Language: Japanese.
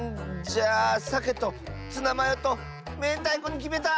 じゃあさけとツナマヨとめんたいこにきめた！